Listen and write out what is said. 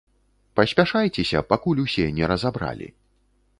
Паспяшайцеся, пакуль усе на разабралі.